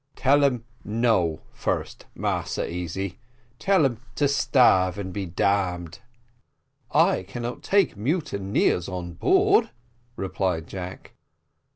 "Tell 'em no, first, Massa Easy tell 'em to starve and be damned." "I cannot take mutineers on board," replied Jack.